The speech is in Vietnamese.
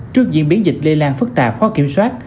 trước diễn biến dịch lây lan phức tạp khó kiểm soát